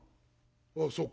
「ああそうか。